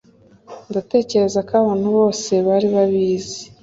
ndatekereza ko abantu bose bari babizi